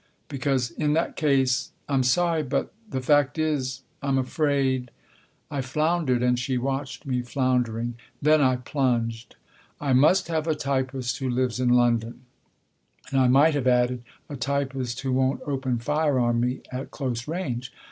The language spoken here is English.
Because in that case I'm sorry but the fact is, I'm afraid " I floundered, and she watched me floundering. Then I plunged. " I must have a typist who lives in London." (And I might have added " a typist who won't open fire on me at close range.")